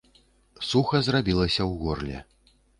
Суха зрабілася ў горле.